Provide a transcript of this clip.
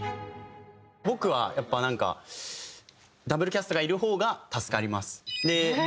僕はやっぱなんかＷキャストがいる方が助かります。